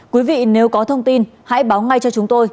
quý vị nếu có thông tin hãy báo ngay cho chúng tôi